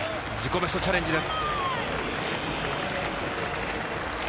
ベストチャレンジです。